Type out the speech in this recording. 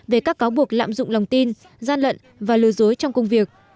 về các cáo buộc lạm dụng lòng tin gian lận và lừa dối trong công việc